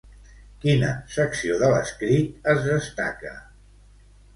Quina secció de l'escrit es destaca?